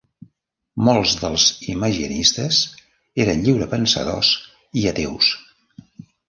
Molts dels imaginistes eren lliurepensadors i ateus.